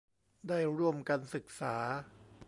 ได้ร่วมกันศึกษา